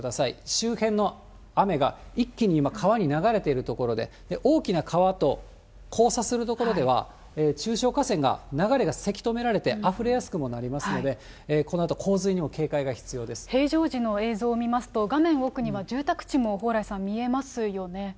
周辺の雨が一気に今、川に流れているところで、大きな川と交差する所では、中小河川が、流れがせき止められて、あふれやすくもなりますので、平常時の映像を見ますと、画面奥には住宅地も蓬莱さん、見えますよね。